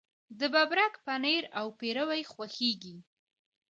د ببرک پنیر او پیروی خوښیږي.